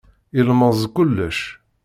Yelmeẓ kullec.